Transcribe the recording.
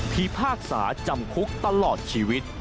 พิพากษาจำคุกตลอดชีวิต